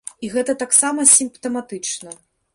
І гэта таксама сімптаматычна.